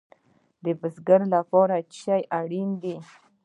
د بزګر لپاره څه شی اړین دی؟